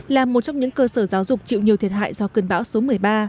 giúp những cơ sở giáo dục chịu nhiều thiệt hại do cơn bão số một mươi ba